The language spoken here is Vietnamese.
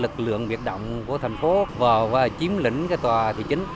lực lượng biệt động của thành phố vào và chiếm lĩnh cái tòa thị chính